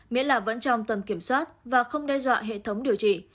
miễn là vẫn trong tầm kiểm soát và không đe dọa hệ thống điều trị